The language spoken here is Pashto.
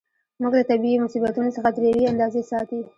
موږ له طبیعي مصیبتونو څخه تر یوې اندازې ساتي.